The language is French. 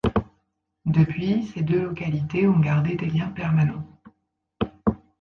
Depuis, ces deux localités ont gardé des liens permanents.